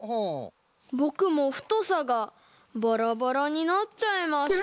ぼくもふとさがバラバラになっちゃいました。